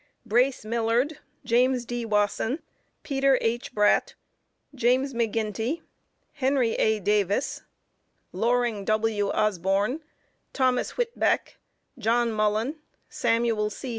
Brace Millerd, James D. Wasson, Peter H. Bradt, James McGinty, Henry A. Davis, Loring W. Osborn, Thomas Whitbeck, John Mullen, Samuel C.